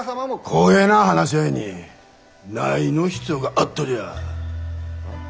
こげな話し合いに何の必要があっとじゃ！